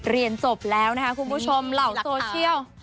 เรียนจบแล้วนะคะคุณผู้ชมเหล่าโซเชียล